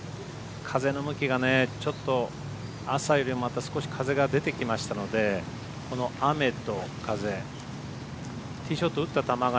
風の向きが、ちょっと朝よりもまた少し風が出てきましたのでこの雨と風ティーショット打った球が